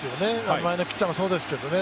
前のピッチャーもそうですけどね。